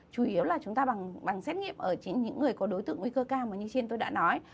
chủ yếu là chúng ta bằng xét nghiệm ở chính những người có đối tượng nguy cơ cao mà như trên tôi đã nói